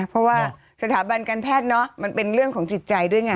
เพราะว่าสถาบันการแพทย์มันเป็นเรื่องของจิตใจด้วยไง